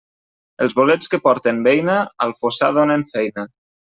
Els bolets que porten beina, al fossar donen feina.